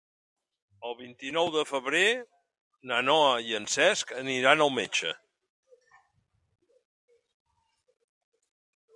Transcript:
El vint-i-nou de febrer na Noa i en Cesc aniran al metge.